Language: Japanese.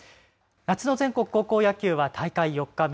夏の全国高校野球は大会４日目。